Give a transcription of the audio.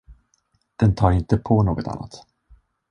Den tar inte på något annat.